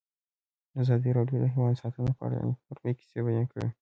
ازادي راډیو د حیوان ساتنه په اړه د نېکمرغۍ کیسې بیان کړې.